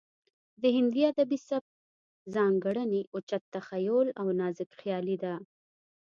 د هندي ادبي مکتب ځانګړنې اوچت تخیل او نازکخیالي ده